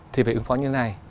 thì phải ứng phó như thế này